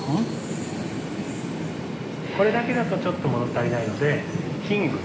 これだけだとちょっと物足りないのでヒング。